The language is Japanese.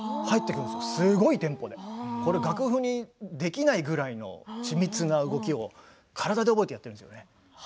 楽譜にできないぐらいの緻密な動きを体で覚えてやっているんですね。